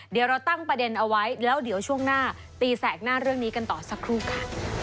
เดี๋ยวเราตั้งประเด็นเอาไว้แล้วเดี๋ยวช่วงหน้าตีแสกหน้าเรื่องนี้กันต่อสักครู่ค่ะ